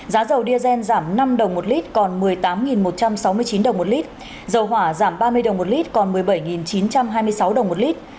giá dầu diazen giảm năm đồng một lit còn một mươi tám một trăm sáu mươi chín đồng một lit dầu hỏa giảm ba mươi đồng một lit còn một mươi bảy chín trăm hai mươi sáu đồng một lit